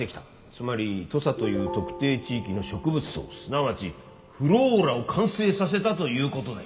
つまり土佐という特定地域の植物相すなわちｆｌｏｒａを完成させたということだよ。